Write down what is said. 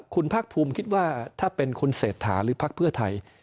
คุณภาคภูมิคิดว่าถ้าเป็นคุณเศรษฐาหรือพักเพื่อไทย